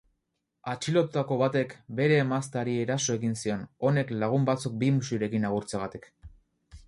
Atxilotutako batek bere emazteari eraso egin zion honek lagun batzuk bi musurekin agurtzeagatik.